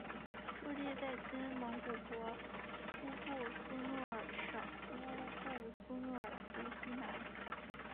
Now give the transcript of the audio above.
驻地在今蒙古国乌布苏诺尔省乌布苏诺尔湖西南。